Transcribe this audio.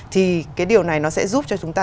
thì cái điều này nó sẽ giúp cho chúng ta